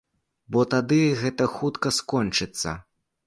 Бо тады гэта хутка скончыцца.